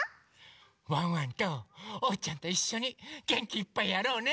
ワンワンとおうちゃんといっしょにげんきいっぱいやろうね。